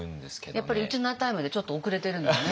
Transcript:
やっぱりウチナータイムでちょっと遅れてるのね。